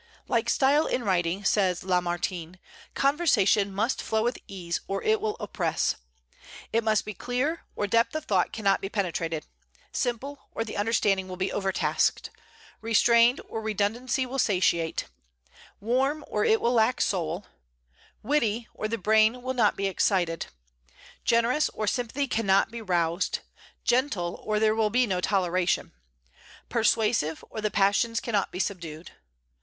"Like style in writing," says Lamartine, "conversation must flow with ease, or it will oppress. It must be clear, or depth of thought cannot be penetrated; simple, or the understanding will be overtasked; restrained, or redundancy will satiate; warm, or it will lack soul; witty, or the brain will not be excited; generous, or sympathy cannot be roused; gentle, or there will be no toleration; persuasive, or the passions cannot be subdued."